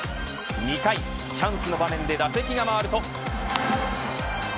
２回、チャンスの場面で打席が回ると。